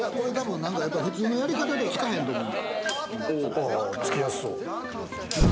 普通のやり方ではつかへんと思う。